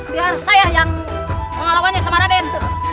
biar saya yang pengalamannya sama raden